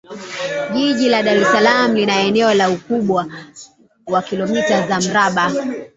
Jiji la Dar es Salaam lina eneo la ukubwa wa kilomita za Mraba